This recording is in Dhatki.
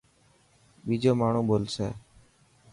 ٻيجو ماڻهو ٻولسي.